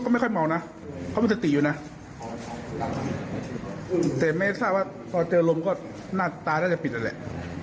แต่ไม่รู้สึกว่าพอเจอลมก็หน้าตาจะปิดอันนั้นแหละ